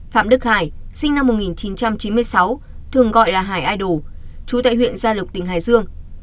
phạm đức hải sinh năm một nghìn chín trăm chín mươi sáu thường gọi là hải ai đủ chú tại huyện gia lộc tỉnh hải dương